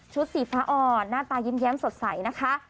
สีฟ้าอ่อนหน้าตายิ้มสดใสนะคะ